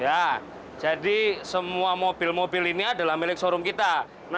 ya jadi semua mobil mobil ini adalah milik sorumki t minta saya bekerja disini